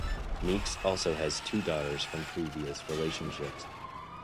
Meeks also has two daughters from previous relationships.